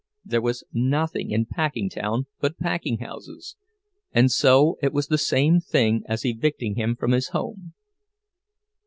There was nothing in Packingtown but packing houses; and so it was the same thing as evicting him from his home.